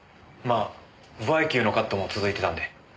まあ歩合給のカットも続いてたんで。